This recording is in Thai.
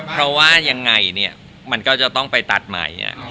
เพราะว่ายังไงเนี่ยมันก็จะต้องไปตัดใหม่